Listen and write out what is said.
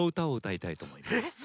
えっ？